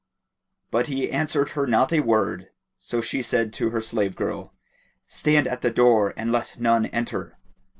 But he answered her not a word; so she said to her slave girl, "Stand at the door and let none enter."